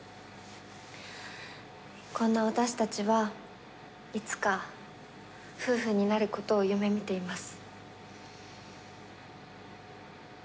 こんな私たちはいつか夫婦になることを夢みています。